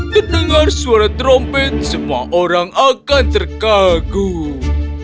dan dengar suara trompet semua orang akan terkagum